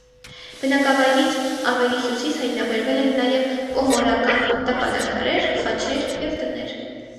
Բնակավայրից ավելի հյուսիս հայտնաբերվել են նաև պոմորական տապանաքարեր, խաչեր և տներ։